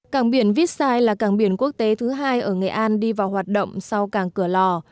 cảng biển vítsai là cảng biển quốc tế thứ hai ở nghệ an đi vào hoạt động sau càng cửa lò